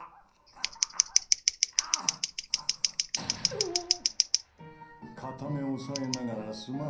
うおっ！